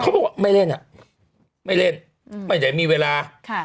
บอกว่าไม่เล่นอ่ะไม่เล่นไม่ได้มีเวลา